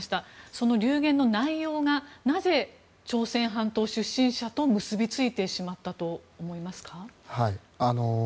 その流言の内容がなぜ朝鮮半島出身者と結び付いてしまったと思いますか？